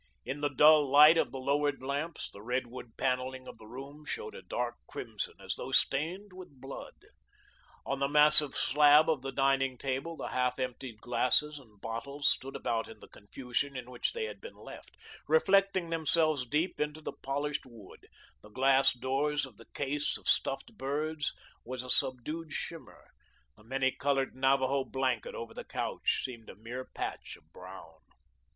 In the dull light of the lowered lamps, the redwood panelling of the room showed a dark crimson as though stained with blood. On the massive slab of the dining table the half emptied glasses and bottles stood about in the confusion in which they had been left, reflecting themselves deep into the polished wood; the glass doors of the case of stuffed birds was a subdued shimmer; the many coloured Navajo blanket over the couch seemed a mere patch of brown.